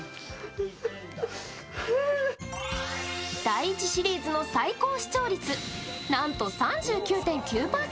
第１シリーズの最高視聴率、なんと３９．９％。